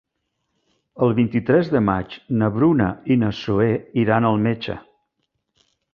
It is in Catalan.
El vint-i-tres de maig na Bruna i na Zoè iran al metge.